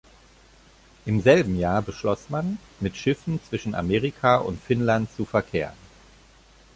Im selben Jahr beschloss man, mit Schiffen zwischen Amerika und Finnland zu verkehren.